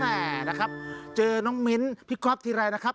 แม่นะครับเจอน้องมิ้นพี่ก๊อฟทีไรนะครับ